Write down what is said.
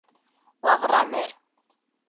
Лавыра нер!..